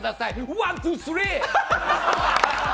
ワンツースリー！